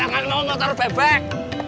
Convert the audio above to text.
jangan lo motor bebek